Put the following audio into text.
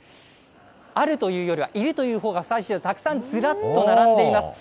あるというよりは、いるというほうがふさわしい、ずらっと並んでいます。